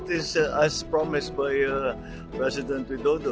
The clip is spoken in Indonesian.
ini seperti yang dijanjikan oleh presiden widodo